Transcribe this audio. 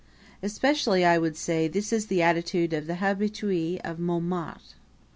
Especially, I would say, is this the attitude of the habitue of Montmartre.